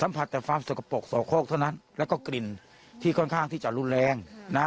ผัดแต่ความสกปรกสอกโคกเท่านั้นแล้วก็กลิ่นที่ค่อนข้างที่จะรุนแรงนะ